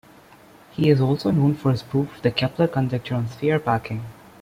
He is also known for his proof of the Kepler conjecture on sphere packing.